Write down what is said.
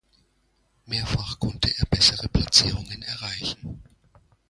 Mehrfach konnte er bessere Platzierungen erreichen.